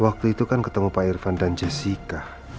waktu itu kan ketemu pak irfan dan jessica